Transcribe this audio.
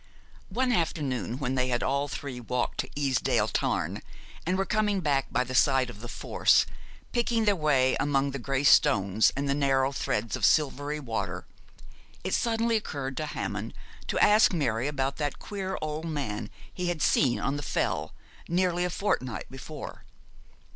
One afternoon, when they had all three walked to Easedale Tarn, and were coming back by the side of the force, picking their way among the grey stones and the narrow threads of silvery water, it suddenly occurred to Hammond to ask Mary about that queer old man he had seen on the Fell nearly a fortnight before.